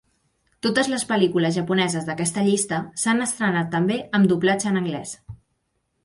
Totes les pel·lícules japoneses d'aquesta llista s'han estrenat també amb doblatge en anglès.